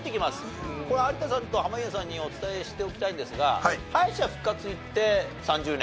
これ有田さんと濱家さんにお伝えしておきたいんですが敗者復活いって３０年。